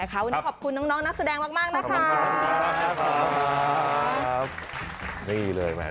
ขอบคุณน้องนักแสดงมากนะคะ